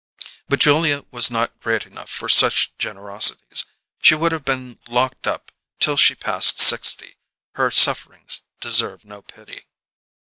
But Julia was not great enough for such generosities: she should have been locked up till she passed sixty; her sufferings deserve no pity.